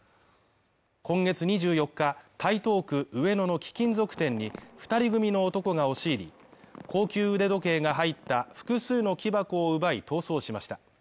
今月２４日、台東区上野の貴金属店に２人組の男が押し入り高級腕時計が入った複数の木箱を奪い逃走しました。